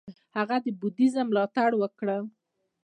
هغه د بودیزم ملاتړ وکړ.